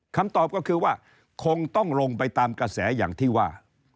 คำตอบก็คือว่าคงต้องลงไปตามกระแสอย่างที่ว่า